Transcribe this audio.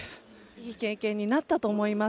いい経験になったと思います。